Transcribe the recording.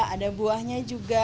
ada buahnya juga